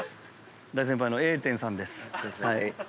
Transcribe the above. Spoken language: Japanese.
大先輩の英天さんです。